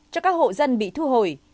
cho các hộ dân bị thu hồi